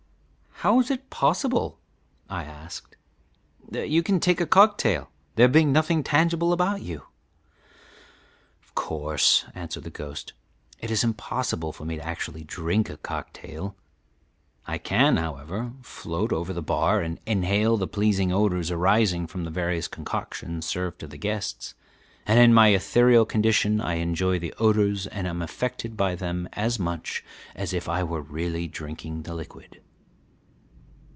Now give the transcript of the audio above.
"How is it possible," I asked, "that you can take a cocktail, there being nothing tangible about you?" "Of course," answered the ghost, "it is impossible for me to actually drink a cocktail. I can, however, float over the bar and inhale the pleasing odors arising from the various concoctions served to the guests, and in my ethereal condition I enjoy the odors and am affected by them as much as if I were really drinking the liquid."